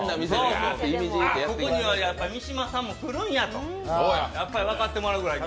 ここにはやっぱり三島さんも来るんやと、やっぱり分かってもらうぐらいに。